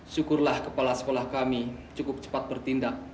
syukurlah kepala sekolah kami cukup cepat bertindak